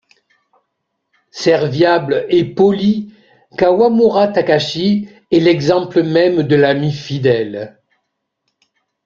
Serviable et poli, Kawamura Takashi est l'exemple même de l'ami fidèle.